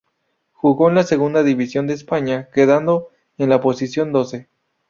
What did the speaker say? Jugó en la Segunda División de España, quedando en la posición doce.